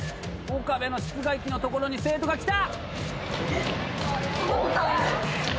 岡部の室外機のところに生徒が来た！